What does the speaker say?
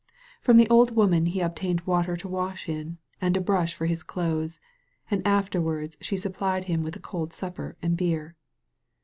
From the old woman he obtained water to wash in, and a brush for his clothes, and afterwards she supplied him with a cold supper and beer.